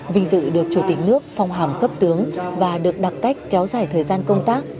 vinh dự được chủ tịch nước phong hàm cấp tướng và được đặt cách kéo dài thời gian công tác